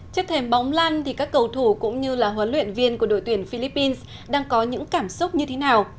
trước thềm bóng lan thì các cầu thủ cũng như là huấn luyện viên của đội tuyển philippines đang có những cảm xúc như thế nào